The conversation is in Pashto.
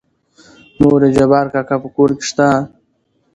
مورې جبار کاکا په کور کې شته؟